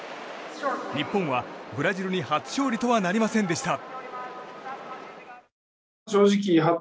日本は、ブラジルに初勝利とはなりませんでした。